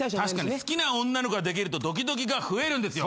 好きな女の子ができるとドキドキが増えるんですよ。